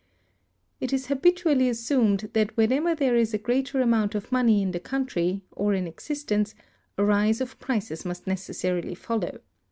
It is habitually assumed that whenever there is a greater amount of money in the country, or in existence, a rise of prices must necessarily follow.